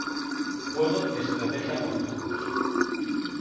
Juego de estrategia por turnos.